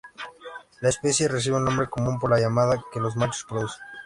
La especie recibe el nombre común por la llamada que los machos producen.